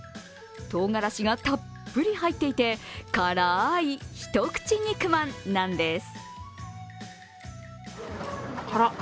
とうがらしがたっぷり入っていて辛い一口肉まんなんです。